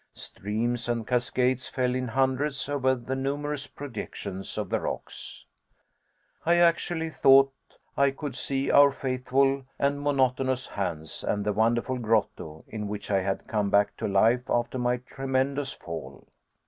Streams and cascades fell in hundreds over the numerous projections of the rocks. I actually thought I could see our faithful and monotonous Hans and the wonderful grotto in which I had come back to life after my tremendous fall.